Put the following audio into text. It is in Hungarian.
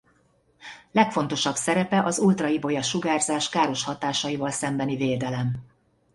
Legfontosabb szerepe az ultraibolya sugárzás káros hatásaival szembeni védelem.